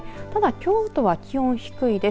京都は気温、低いです。